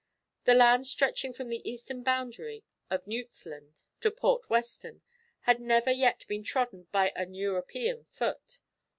The land stretching from the eastern boundary of Nuytsland to Port Western had never yet been trodden by an European foot.